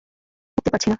উঠতে পারছি না।